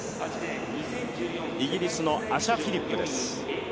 イギリスのアシャ・フィリップです。